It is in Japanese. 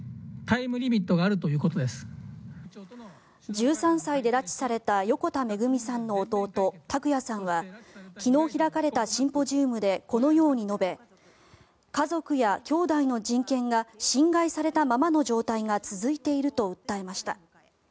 １３歳で拉致された横田めぐみさんの弟・拓也さんは昨日開かれたシンポジウムでこのように述べ家族やきょうだいの人権が侵害されたままの状態が続いていると訴えました。